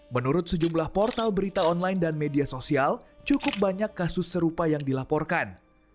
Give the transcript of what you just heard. menurut sejumlah portal berita online dan media sosial cukup banyak kasus serupa yang dilaporkan